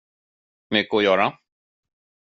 Mycket att göra?